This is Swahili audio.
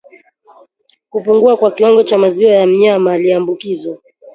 Kupungua kwa kiwango cha maziwa ya mnyama aliyeambukizwa